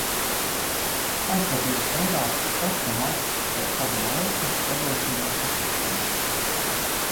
Aizvadījis vairākus šaha mačus ar sava laika vadošajiem šahistiem.